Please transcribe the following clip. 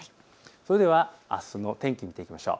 それではあすの天気を見ていきましょう。